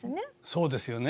そうですよね。